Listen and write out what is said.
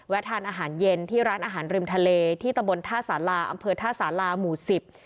ทานอาหารเย็นที่ร้านอาหารริมทะเลที่ตำบลท่าสาราอำเภอท่าสาราหมู่สิบ